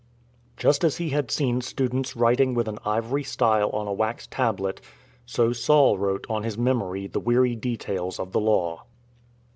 Just as he had seen students writing with an ivory style on a wax tablet, so Saul wrote on his memory the weary details of the Law.